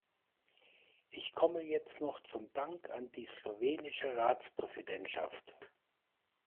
Ich komme jetzt noch zum Dank an die slowenische Ratspräsidentschaft.